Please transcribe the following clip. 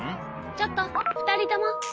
ちょっと２人とも。